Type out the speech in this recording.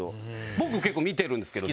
僕結構見てるんですけど。